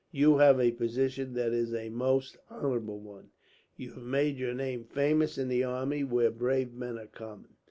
"You have a position that is a most honourable one. You have made your name famous in the army, where brave men are common.